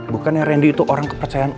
bukannya randy itu orang kepercayaan